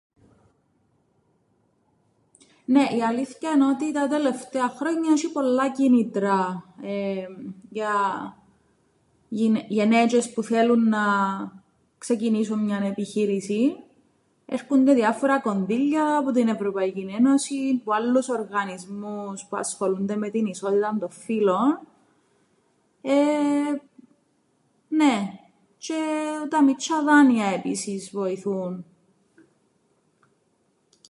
Νναι, η αλήθκεια εν' ότι τα τελευταία χρόνια έσ̆ει πολλά κίνητρα εεμ για γεναίτζ̆ες που θέλουν να ξεκινήσουν μιαν επιχείρησην, έρκουνται διάφορα κονδύλια που την Ευρωπαϊκήν Ένωσην, που άλλους οργανισμούς που ασχολούνται με την ισότηταν των φύλων εεε, νναι, τζ̆αι τα μιτσ̆ιά δάνεια επίσης βοηθούν.